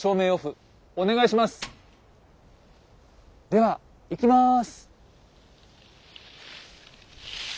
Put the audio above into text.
ではいきます。